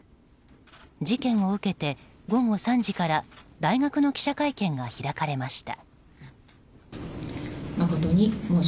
事件を受けて午後３時から大学の記者会見が開かれました。